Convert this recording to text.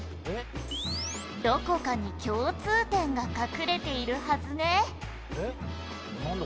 「どこかに共通点が隠れているはずね」なんだ？